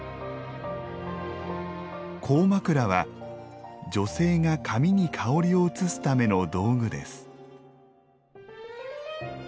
「香枕」は女性が髪に香りを移すための道具です。